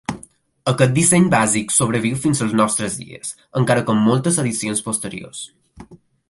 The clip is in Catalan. Aquest disseny bàsic sobreviu fins als nostres dies, encara que amb moltes addicions posteriors.